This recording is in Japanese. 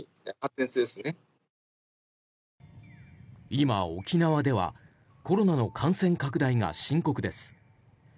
今、沖縄ではコロナの感染拡大が深刻です。